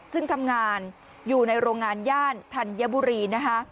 ซึ่งทำงานอยู่ในโรงงานย่านธัญบุรีนะคะ